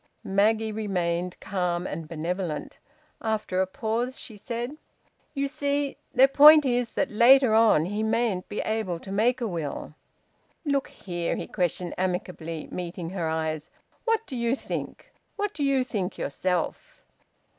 Maggie remained calm and benevolent. After a pause she said "You see their point is that later on he mayn't be able to make a will." "Look here," he questioned amicably, meeting her eyes, "what do you think? What do you think yourself?"